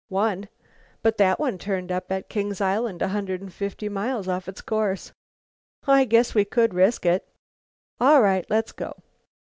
"One. But that one turned up at King's Island, a hundred and fifty miles off its course." "I guess we could risk it." "All right, let's go."